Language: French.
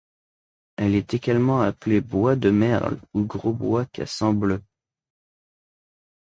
Elle est également appelée bois de merle ou gros bois cassant bleu.